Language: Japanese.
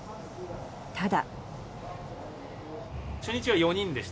ただ。